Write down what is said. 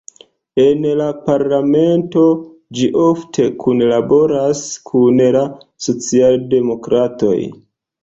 En la parlamento ĝi ofte kunlaboras kun la socialdemokratoj.